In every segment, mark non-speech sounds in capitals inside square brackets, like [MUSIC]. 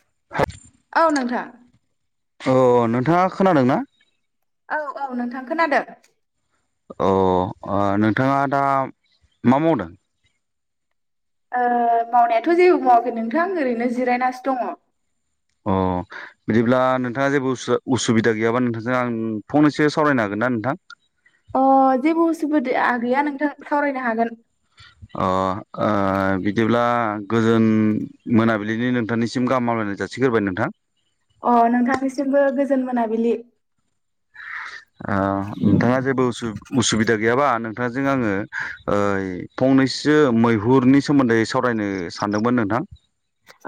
[INAUDIBLE] औ नोंथा। अह नोंथाङा खोनादोंना? औ औ नोंथां खोनादो। अ ओ नोंथाङा दा मा मावदों? ओ मावनायाथ जेबो मावाखै नोंथां ओरैनो जिरायनासो दङ अ बिदिब्ला नोंथाङा जेबो उसु उसुबिदा गैयाबा नोंथांजों आं फंनैसो सावरायनो हागोनना नोंथां? अ जेबो उसुबिदिआ गैया नोंथां सावरायनो हागोन। [INAUDIBLE] अ ओ बिदिब्ला गोजोन मोनाबिलिनि नोंथांनिसिम गाहाम मामलायनाय जा जासिग्रोबाय नोंथां। अ नोंथांनिसिमबो गोजोन मोनाबिलि। अ नोंथाङा जेबो उसुब उसुबिदा गैयाबा आहा नोंथांजों आङो ओइ फंनैसो मैहुरनि सोमोन्दै सावराय नो सानदोंमोन नोंथां।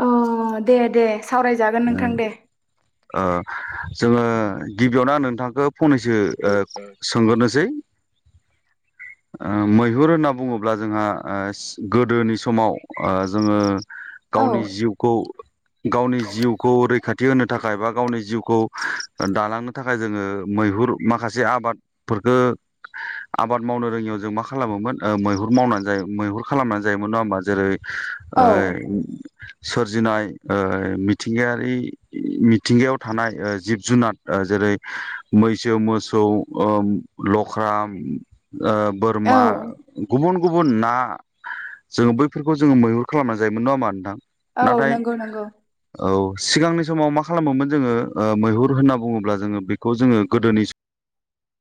अ दे दे सावरायजागोन नोंथां दे। ओ जोङो गिबियावनो आं नोंथांखो फंनैसो ओ सोंगोरनोसै। ओ मैहुर होनना बुङोब्ला जोंहा ओ सि गोदोनि समाव ओ जोङो। औ गावनि जिउखौ गावनि जिउखौ रैखाथि होनो थाखाय बा गावनि जिउखौ ओ दालांनो थाखाय जोङो मैहुर माखा जे आबादफोरखो आबाद मावनो रोङियाव जों मा खालामोमोन ओह मैहुर मावनानै जायो मो हुर खालामनानै जायोमोन नङा होमबा जेरै ओ औ सोरजिनाय ओ मिद मिथिंगायारि मिथिंगायाव थानाय ओ जिब जुनाद ओ जेरै मैसो मोसो खौ ओह लख्रा ओ औ बोरमा गुबुन गुबुन ना जोंङो बैफोरखो जोंङो मैहुर खालामना जायोमोन नङा होमबा नोंथां। औ नाथाय नोंगौ नोंगौ। औ सिगांनि समाव मा खालामोमोन जोङो मैहुर होनना बुङोब्ला जोङो बेखौ जोङो गोदोनि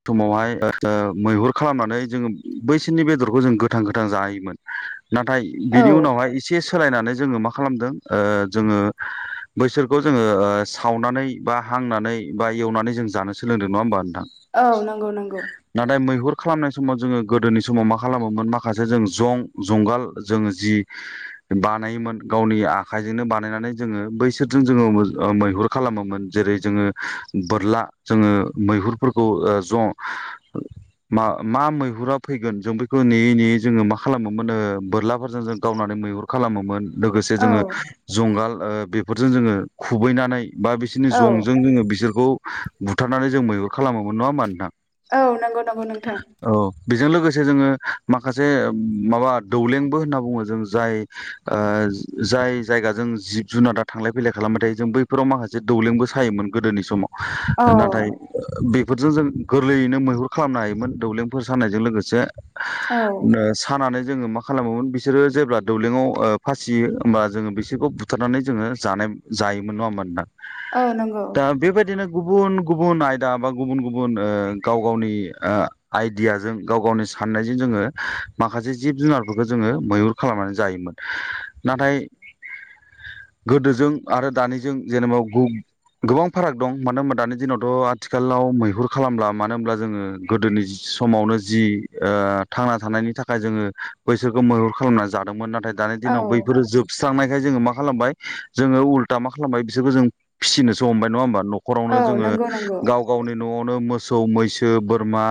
समावहाय ओ मैहुर खालामनानै जोङो बैसोरनि बेदरखौ जों गोथां-गोथां जायोमोन नाथाय, औ बिनि उनावहाय एसे सोलायनानै जोङो मा खालामदों ओ जोङो बैसोरखौ जोङो ओ सावनानै बा, हांनानै बा, एवनानै जों जानो सोलोंदों नङा होनोमबा नों थां औ नंगौ नंगौ नाथाय मैहुर खालामनाय समाव जोङो गोदोनि समाव मा खालामोमोन माखासे जों जं जुंगाल जों जि बानायोमोन गावनि आखाइजोंनो बानायनानै जोङो बैसोरजों जोङो मैहुर खालामोमोन। जेरै जोङो बोरला जोङो मैहुरफोरखौ ओ ज' मा मा मैहुरा फैगोन जों बैखौ नेयै नेयै जों जोङो मा खालामोमोन बोरलाफोरजों जों गावनानै मैहुर खालामोमोन लोगोसे औ जोङो जुंगाल बेफोरजों जोङो खुबैनानै बा बिसोरनि औ जंजों जोङो बिसोरखौ बुथारनानै जों मैहुर खालामोमोन नङा होमा नोंथां? औ नंगौ नंगौ नोंथां। औ बेजों लोगोसे जोङो माखासे माबा दौलेंबो होनना बुङो जों जाय ओ जाय जायगाजों जिब जुनादा थांलाय-फैलाय खालामबाय थायो जों बैफोराव माखासे दौलेंबो सायोमोन गोदोनि औ समाव। नाथाय बे फोरजों जों गोरलैयैनो मैहुर खालामनो हायोमोन दौलेंफोर सानायजों लोगोसे औ सानानै जोङो मा खालामोमोन बिसोरो जेब्ला दौलेङाव फासियो होमब्ला जोङो बिसोरखौ बु थारनानै जोङो जानाय जायोमोन नङा होनबा नोंथां। औ नंगौ गुबुन-गुबुन आयदा बा गुबुन-गुबुन ओ गाव-गावनि आइडियाजों गाव-गावनि साननायजों जोङो माखासे जिब-जुनारफोरखौ जोङो मैहुर खालामनानै जायोमोन। नाथाय गोदोजों आरो दानिजों जेनेबा गु गोबां फाराग दं। मानो होनबा दानि दिनावथ' आथिखालाव मैहुर खालामब्ला मानो होनब्ला जोङो गोदोनि जि समावनो जि ओ थांना थानायनि थाखाय जोङो बैसोरखौ मैहुर खालामनानै जादोंमोन, ना थाय दानि औ दिनाव बैफोरो जोबस्रांनायखाय जोङो मा खालामबाय जोङो उल्था मा खालामबाय बिसोरखौ जों फिसिनोसो हमबाय नङा होमबा न' खरावनो औ जोङो नंगौ नंगौ गाव गावनि न'आवनो मो सौ-मैसो, बोरमा,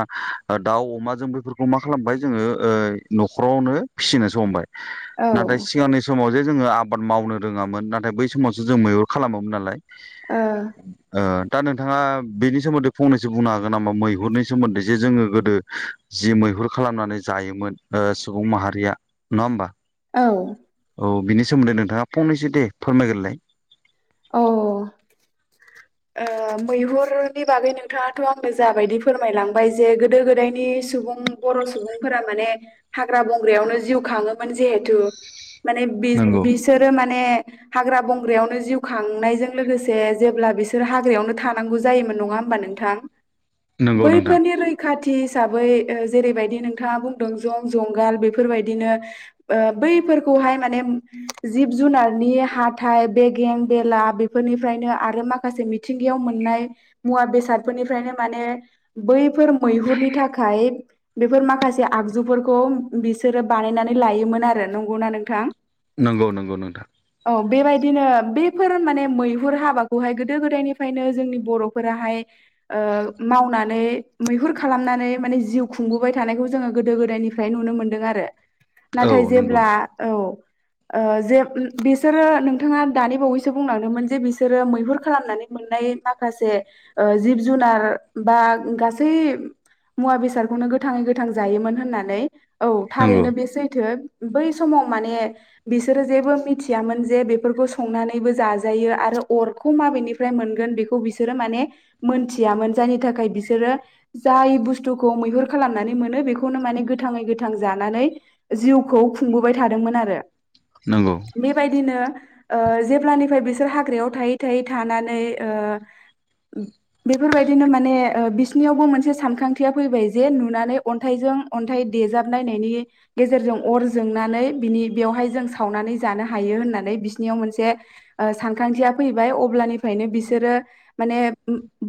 दाउ, अमा जों बैफोरखौ मा खालामबाय जोङो ओ न'खरावनो नो फिसिनोसो हमबाय। औ नाथाय ओ सिगांनि समावजे जोङो आबाद मावनो रोङामोन। नाथाय बै समावसो जों मैहुर खालामोमोन नालाय ओ दा नोंथाङा बेनि सोमोन्दै फंनैसो बुंनो हागोन नामा मैहुरनि सोमोन्दै जे जोङो गोदो जि मैहुर खालामनानै जायोमोन सुबुं माहारिया नङा होमबा? औ औ बिनि सोमोन्दै नोंथाङा फंनैसो दे फोरमायग्रोलाय। औ [INAUDIBLE] ओ मैहुरनि बागै नोंथाङाथ' आंनो जाबायदि फोरमायलांबायजे गोदो गोदायनि सुबुं बर' सुबुंफोरा माने हाग्रा बंग्रायावनो जिउ खाङोमोन जिहेथु माने नंगौ बिसोरो माने हाग्रा बंग्रायावनो जिउ बखांनायजों लोगोसे, जेब्ला बिसोर हाग्रायावनो थानांगौ जायोमोन नङा होमबा नोंथां? नंगौ नोंथां बैफोरनि रैखाथि हिसाबै जेरैबायदि नोंथाङा बुंदों जं, जंगाल बेफोरबायदिनो बैफोरखौ हाय माने जिब जुनारनि हाथाइ, बेगें- बेला बेफोरनिफ्रायनो आरो माखासे मिथिंगायाव मोननाय मुवा बेसादफोरनिफ्रायनो माने बैफोर मैहुरनि थाखाय बेफोर माखासे आगजुफोरखौ बिसोरो बानाय नानै लायोमोन आरो नंगौना नोंथां? नंगौ नंगौ नोंथां औ बेबायदिनो बे फोर माने मैहुर हाबाखौहाय गोदो गोदायनिफ्रायनो जोंनि बर'फोराहाय ओ माव नानै मैहुर खालामनानै माने जिउ खुंबोबाय थानायखौ जोङो गोदो गोदायनिफ्राय नुनो मोनदों आरो औ नाथाय नंगौ जेब्ला औ ओ जे बिसोरो नोंथाङा दानि बावै सो बुंलांदों मोन जे बिसोरो मैहुर खालामनानै मोननाय माखासे ओ जिब जुनार बा गासै मुवा बेसादखौनो गोथाङै गोथां जायोमोन होननानै औ नंगौ थारैनो बे सैथो। बै समाव माने बिसोरो जेबो मिथियामोन जे बेफोरखौ संनानै बो जाजायो आरो अरखौ माबेनिफ्राय मोनगोन बेखौ बिसोरो माने मोनथिया मोन जायनि थाखा य बिसोरो जाय बुस्थुखौ मैहुर खालामनानै मोनो बेखौनो माने गोथाङै गोथां जानानै जिउखौ खुंबोबाय थादोंमोन आरो नंगौ बेबायदिनो ओ जे ब्लानिफ्राय बिसोर हाग्रायाव थायै थायै थानानै ओ बेफोरबायदिनो माने ओ बिसनियावबो मोनसे सानखांथिया फैबाय जे नुनानै अन्थाइजों अन्थाइ देजाबनायनायनि गेजेरजों अर जोंनानै बिनि बेवहाय जों सावनानै जानो हायो होननानै बिसनियाव मोनसे ओ सानखांथिया फैबाय अब्लानिफ्रायनो बिसोरो माने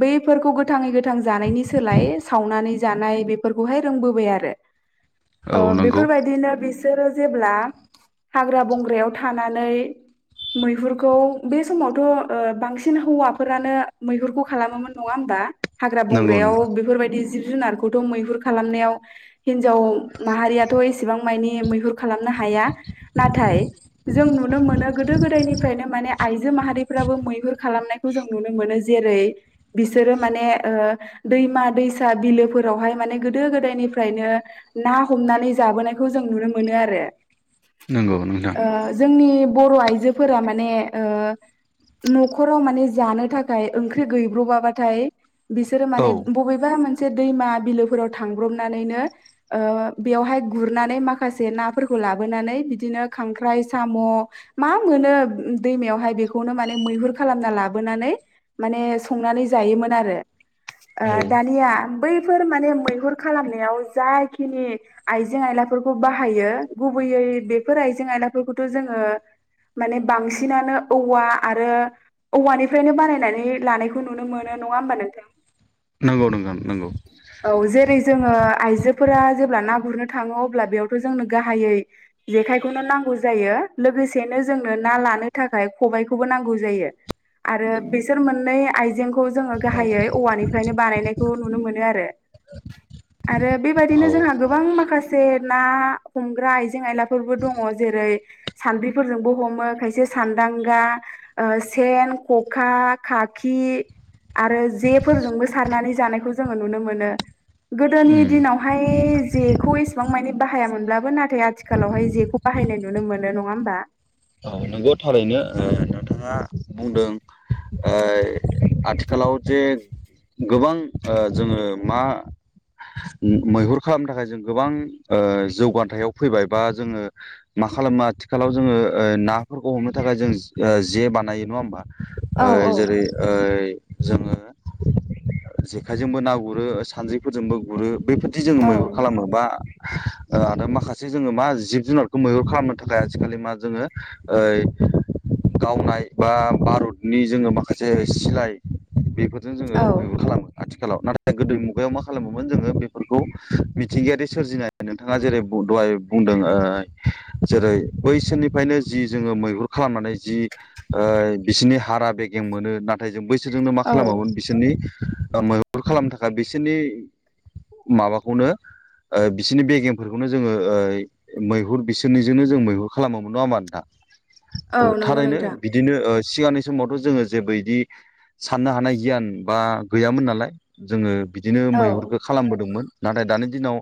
बैफोरखौ गोथाङै गो थां जानायनि सोलाय सावनानै जानाय बेफोरखौहाय रोंबोबाय आरो औ ओ नंगौ बेफोरबायदिनो बे सोरो जेब्ला हाग्रा बंग्रायाव थानानै मैहुरखौ बे समावथ' ओ बांसिन हौवाफोरानो मैहुरखौ खालामो मोन नङा होमबा हाग्रा नंगौ बंग्रायाव नोंथां बिफोरबायदि जिब जुनारखौथ' मैहुर खालामनायाव हिनजाव माहारियाथ' एसेबां माय नि मैहुर खालामनो हाया नाथाय जों नुनो मोनो गोदो गोदायनिफ्रायनो माने आइजो माहारिफ्राबो मैहुर खालामनायखौ जों नुनो मोनो जेरै बिसोरो माने ओ दैमा दैसा बिलोफोरावहाय माने गोद गोदायनिफ्रायनो ना हम नानै जाबोनायखो जों नुनोमोनो आरो नंगौ नोंथां ओ जोंनि बर' आइजो फोरा माने ओ न'खराव माने जानो थाखाय ओंख्रि गैब्र'बाबाथाय बिसोरो औ माने बबेबा मोन से दैमा बिलोफोराव थांब्रनानैनो ओ बेयावहाय गुरनानै माखासे ना फोरखौ लाबोनानै बिदिनो खांख्राय साम' मा मोनो दैमायावहाय बेखौनो माने मैहुर खालामना लाबोनानै माने संनानै जायो। मोन आरो ओ औ दानिया बैफोर माने मैहुर खालामनायाव जाखिनि आइजें आइलाफोरखौ बाहायो गुबै यै बेफोर आइजें आयलाफोरखौथ' जोङो माने बांसिनानो औवा आरो औवानिफ्रायनो बानायनानै लानायखौ नुनो मोनो नङा। होम्बा नोंथां नंगौ नोंथां नंगौ औ जेरै जोङो आइजो फोरा जेब्ला ना गुरनो थाङो अब्ला बेयावथ' जोंनो गाहायै जेखायखोनो नांगौ जायो लोगोसेनो। जोंनो ना लानो थाखाय खखौबो नांगौ जायो आरो बिसोर मोननै आइजें खौ जोङो गाहायै औवानिफ्रायनो बानायनायखौ नुनो मोनो आरो। आरो बेबायदिनो औ जोंहा गोबां माखासे। ना हमग्रा आइजें आइलाफोरबो दङ जेरै सान्द्रिफोरजोंबो। हमो खायसे सानदांगा ओ सेन खखा खाखि। आरो जे फोरजोंबो सारनानै जानायखौ जोङो नुनो मोनो गोदोनि उम दिनावहाय जेखौ एसेबां माने बाहायामोनब्लाबो नाथाय आथिखालावहाय जेखौ बाहायनाय नुनो मोनो नङा होमबा औ नंगौ थारैनो ओ नोंथां। नोंथाङा बुंदों ओइ आथिखालाव जे गोबां ओ जोङो मा? मैहुर खालामनो थाखाय ओ जों गोबां जौगाथायाव फैबाय बा जोंङो खालामो आथिखालाव जोंङो। ओ नाफोरखौ हमनो थाखाय ओ जों जे बानायो नंङा होनबा ओ औ जेरै ओइ जोंङो जेखाइजोंबो ना गुरो सानद्रिफोरजोंबो गुरो बेफोरदि जोंङो मैहर खालामोबा ओ आरो माखासे जोंङो मा जिब जुनारखौ मैहुर खालामनो थाखाय आजिखालि मा जोंङो ओइ गावनाय बा भारतनि जोंङो माखासे सिलाय बेफोर जोंङो मैहुर खालामो आथि खालाव नाथाय गोदो मुगायाव मा खालामोमोन जोंङो बेफोरखौ मिथिंगायारि सोरजिनाय नोंथांङा जेरै डद फाय बुंदों ओ‌ जेरै बैसोरनिफायनो जि जोंङो मैहुर खालामनानै जि ओ बिसोरनि हारा बेगें मोनो नाथाय जों बै बिसोरजोंनो मा औ खालामबावगोन बिसोरनि ओ मैहुर खालामनो थाखाय बिसोरनि माबाखौनो ओ बिसोरनि बेगेमफोरखौनो जोंङो ओइ मैहुर बिसोरनिजोंनो जों मैहुर खालामोमोन नंङा होनबा नोंथां ओ‌ औ नंगौ थारैनो नोंथां बिदिनो ओ सिगांनि समावथ जोंङो जेबो इदि साननो हानाय गियान बा गैयामोन नालाय जोंङो बिदिनो औ मैहुरखौ खालामबोदोंमोन नाथाय दानि दिनाव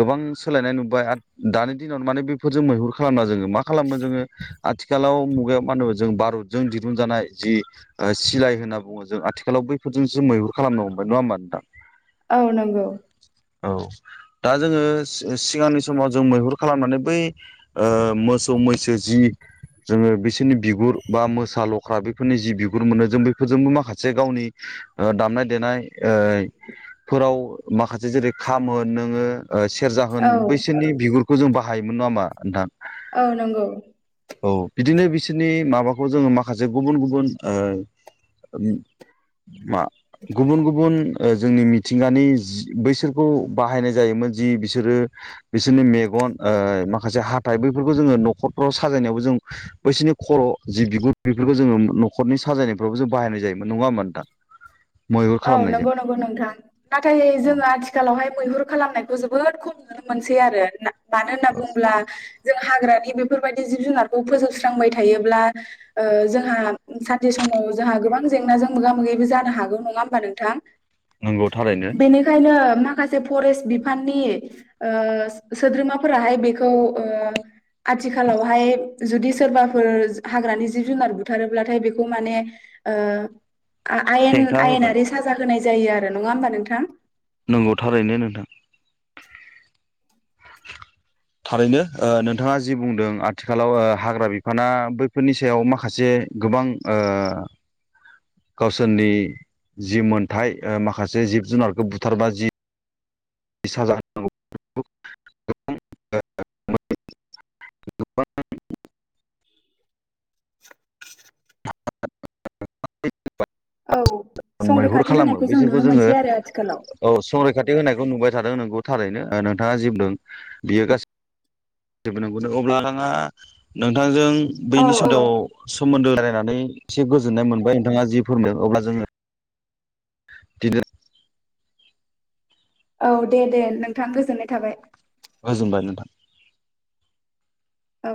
गोबां सोलायनाय नुबाय आरो दानि दिनाव माने बेफोरजों मैहुर खालामला जोंङो मा खालामो जोंङो आथिखालाव मुगायाव मा होनो जों भारतजों दिरुनजानाय जि सिलाय होनना बुङो जों आथिखालाव बैफोरजोंसो मैहुर खालामनो हमबाय नंङा होमबा नोंथां औ नोंगौ औ दा जोंङो सिगांनि समाव जों मैहुर खालामनानै बै ओ मोस मोसौ मैसो जि जोंङो बिसोरनि बिगुर बा मोसा लख्रा बेफोरनि जि बिगुर मोनो जों बैफोरजोंबो माखासे गावनि ओ‌ दामनाय देनाय ओइ ओ सेरजा होन औ बैसोरनि बिगुरखौ जों बाहायोमोन नंङा होनबा नोंथां औ नोंगौ औ बिदिनो बिसोरनि माबाखौ जोंङो माखासे गुबुन-गुबुन ओ मा गुबुन-गुबुन ओ जोंनि मिथिंगानि बैसोरखौ बाहायनाय जि बिसोरो बिसोरनि मेगन ओ [UNINTELLIGIBLE] साजायनायावबो जों बैसोरनि खर जि बिगुर बेफोरखौ जोंङो नखरनि साजायनायफ्रावबो जों बाहायनाय जायो नंङा होनबा नोंथां मैहुर औ खालामनायजों नोंगौ नोंगौ नोंथां नाथाय जोंङो आथिखालावहाय मैहुर खालामनायखौ जोबोद खम नुनो मोनसै आरो मानो होनना बुंङोब्ला जों हाग्रानि बेफोरबायदि जिब जुनारखौ फोस्रांबाय थायोब्ला ओ जोंहा सानसे समाव जाहा गोबां जेंनाजों मोगा मोगिबो जानो हागौ नंङा होनबा नोंथां नोंगौ थारैनो बेनिखायनो माखासे फरेस्ट बिफाननि ओ‌ सोद्रोमाफोराहाय बेखौ आथिखालावहाय जुदि सोरबाफोर हाग्रानि जिब जुनार बुथारोब्लाथाय बेखौ माने ओ आ आयेन हेंथा होबाय आयेनारि साजा होनाय जायो आरो नंङा होनबा नोंथां नंगौ थारैनो नोंथां [UNINTELLIGIBLE] थारैनो ओ नोंथांङा जि बुंदों आथिखालाव ओ‌ हाग्रा बिफाना बैफोरनि सायाव माखासे गोबां ओ गावसोरनि जि मोनथाय ओ माखासे जिब जुनारखौ बुथारबा जि साजा होनांगौ [UNINTELLIGIBLE] गोबां औ गोबां औ मैहुर संरैखाथि खालामो होनायखौ जों बिसोरखौ नुनो जोंङो मोनसै आरो आथिखालाव। औ संरैखाथि होनाय खौ नुबाय थादों नोंगौ थारैनो ओ नोंथाङा जि बुंदों बियो गासै बो नोंगौ नो अब्ला नोंथाङा नोंथांजों औ बैनि औ सोदेव सोमोन्दो रायलायनानै एसे गोजोननाय मोनबाय नोंथाङा जि फोरोंदों अब्ला जोङो दिनो औ दे-दे नोंथां गोजोननाय थाबाय। ओजोंबाय नोंथां। औ